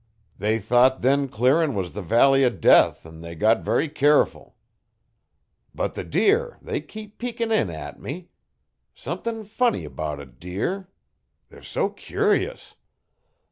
They thought thin clearin' was the valley o' death an' they got very careful. But the deer they kep' peekin' in at me. Sumthin' funny 'bout a deer they're so cu'rus.